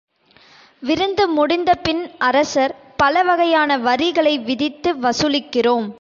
விருந்து முடிந்தபின், அரசர், பல வகையான வரிகளை விதித்து வசூலிக்கிறோம்.